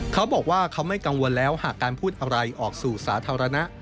เขาบอกว่าเขาไม่กังวลแล้วหากการพูดอะไรออกสู่สาธารณะ